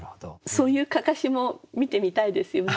そういう案山子も見てみたいですよね。